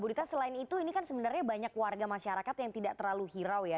bu dita selain itu ini kan sebenarnya banyak warga masyarakat yang tidak terlalu hirau ya